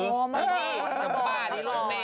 อ๋อเมื่อก่อนอันนี้น้ำปลาอันนี้รถเมล์